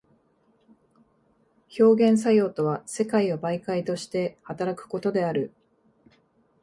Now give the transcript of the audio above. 表現作用とは世界を媒介として働くことである。